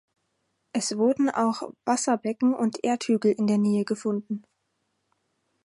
Es wurden auch Wasserbecken und Erdhügel in der Nähe gefunden.